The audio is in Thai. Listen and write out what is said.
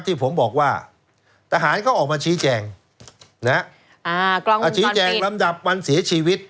ที่ผมบอกว่าทหารเขาออกมาชี้แจงนะฮะอ่ากล้องชี้แจงลำดับวันเสียชีวิต